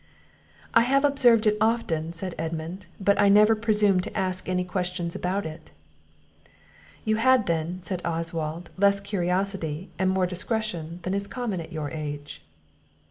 "I have observed it often," said Edmund; "but I never presumed to ask any questions about it." "You had then," said Oswald, "less curiosity, and more discretion, than is common at your age."